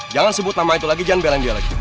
jangan sebut nama itu lagi jangan belan dia lagi